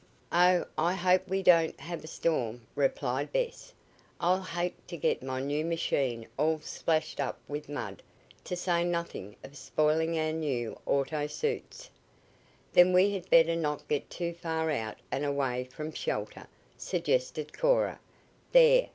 "Oh, I hope we don't have a storm," replied Bess. "I'll hate to get my new machine all splashed up with mud, to say nothing of spoiling our new auto suits." "Then we had better not get too far out and away from shelter," suggested Cora. "There!